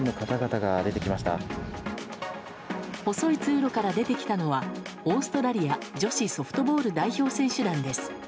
細い通路から出てきたのはオーストラリア女子ソフトボール代表選手団です。